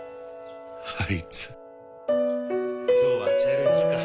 あいつ・・・今日は茶色にするか！